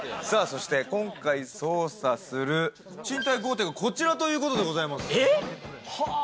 今回捜査する賃貸豪邸が、こちらということでございます。